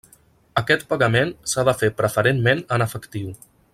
Aquest pagament s'ha de fer preferentment en efectiu.